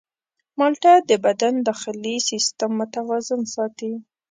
مالټه د بدن داخلي سیستم متوازن ساتي.